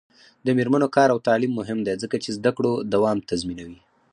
د میرمنو کار او تعلیم مهم دی ځکه چې زدکړو دوام تضمینوي.